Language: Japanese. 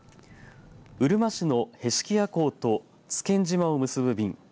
うるま市の平敷屋港と津堅島を結ぶ便